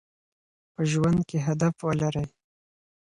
په ژوند کې هدف ولرئ.